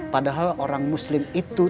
padahal orang muslim itu